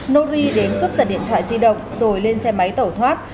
nori đến cướp giật điện thoại di động rồi lên xe máy tẩu thoát